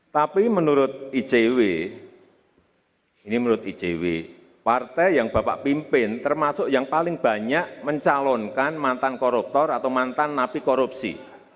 tapi menurut icw ini menurut icw partai yang bapak pimpin termasuk yang paling banyak mencalonkan mantan koruptor atau mantan napi korupsi